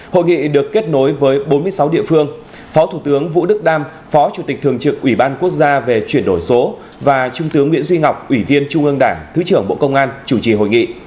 hội nghị được kết nối với bốn mươi sáu địa phương phó thủ tướng vũ đức đam phó chủ tịch thường trực ủy ban quốc gia về chuyển đổi số và trung tướng nguyễn duy ngọc ủy viên trung ương đảng thứ trưởng bộ công an chủ trì hội nghị